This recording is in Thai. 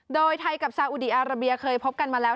โดยไทยกับซาอุดีอาราเบียเคยพบกันมาแล้ว